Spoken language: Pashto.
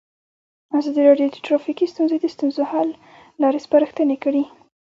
ازادي راډیو د ټرافیکي ستونزې د ستونزو حل لارې سپارښتنې کړي.